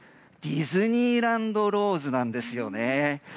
ディズニーランドローズなんですよね。